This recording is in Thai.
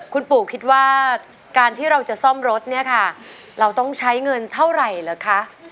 คุณปู่คิดว่าการที่เราจะซ่อมรถเนี่ยค่ะเราต้องใช้เงินเท่าไหร่เหรอคะ